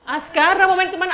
askara mau main kemana